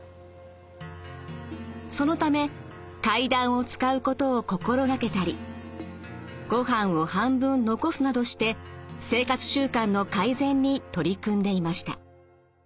そのため階段を使うことを心がけたりご飯を半分残すなどして生活習慣の改善に取り組んでいました。